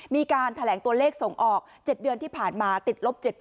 มีการแถลงตัวเลขส่งออก๗เดือนที่ผ่านมาติดลบ๗